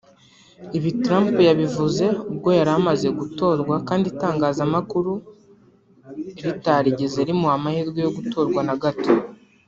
Ibi Trump yabivuze ubwo yaramaze gutorwa kandi itangazamakuru ritarigeze rimuha amahirwe yo gutorwa na gato